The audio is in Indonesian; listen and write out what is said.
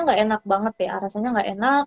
tidak enak banget ya rasanya tidak enak